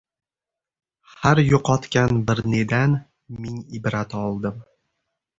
Har yo‘qotgan bir nedan, ming ibrat oldim